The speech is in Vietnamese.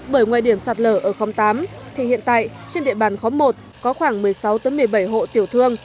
bởi ngoài điểm sạt lở ở khóm tám thì hiện tại trên địa bàn khóm một có khoảng một mươi sáu một mươi bảy hộ tiểu thương